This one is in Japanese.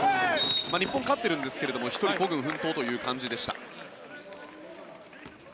日本は勝っているんですが１人孤軍奮闘という感じでした。